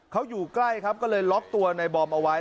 เขาอยู่ใกล้ครับก็เลยล็อกตัวในบอมเอาไว้